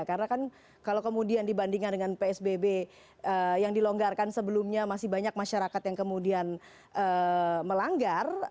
karena kan kalau kemudian dibandingkan dengan psbb yang dilonggarkan sebelumnya masih banyak masyarakat yang kemudian melanggar